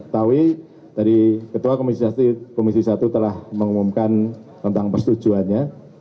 taui tadi ketua komisi satu telah mengumumkan tentang persetujuannya